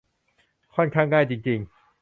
ค่อนข้างง่ายจริง ๆ